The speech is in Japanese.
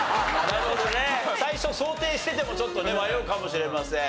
なるほどね。最初想定しててもちょっとね迷うかもしれません。